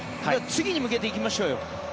次に向けて行きましょうよ。